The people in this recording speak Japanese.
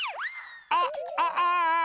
あっあああ！